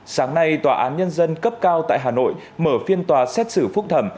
sáng nay tòa án nhân dân cấp cao tại hà nội mở phiên tòa xét xử phúc thẩm